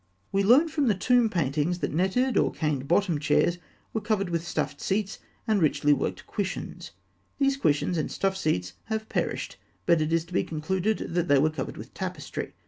] We learn from the tomb paintings that netted or cane bottomed chairs were covered with stuffed seats and richly worked cushions. These cushions and stuffed seats have perished, but it is to be concluded that they were covered with tapestry.